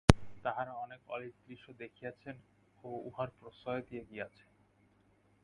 তাঁহারা অনেক অলীক দৃশ্য দেখিয়াছেন ও উহার প্রশ্রয় দিয়া গিয়াছেন।